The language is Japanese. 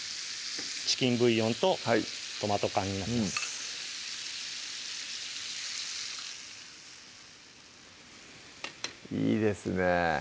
チキンブイヨンとトマト缶になりますいいですね